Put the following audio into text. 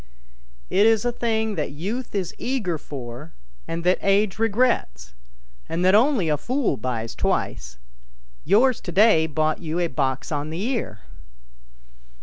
" It is a thing that youth is eager for, and that age regrets, and that only a fool buys twice ; yours to day bought you a box on the ear."